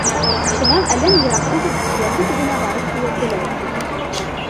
Шунан әллә ни йыраҡ түгел өйәңке төбөнә барып һөйәлделәр.